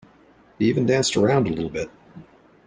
He even danced around a little bit